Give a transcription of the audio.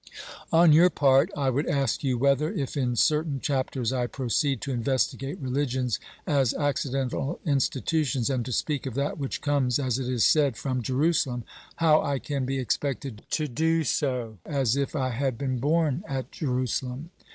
On your part, I would ask you whether, if in certain chapters I proceed to investigate religions as accidental institutions, and to speak of that which comes, as it is said, from Jerusalem, how I can be expected to do so as if I had been born at Jerusalem?